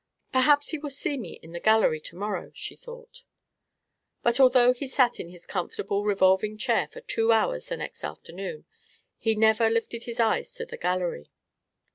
"Perhaps he will see me in the gallery to morrow," she thought. But although he sat in his comfortable revolving chair for two hours the next afternoon, he never lifted his eyes to the gallery.